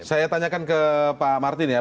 saya tanyakan ke pak martin ya